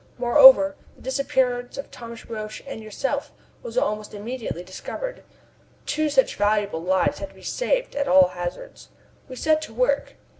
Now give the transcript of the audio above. Moreover, the disappearance of Thomas Roch and yourself was almost immediately discovered. Two such valuable lives had to be saved at all hazards. We set to work.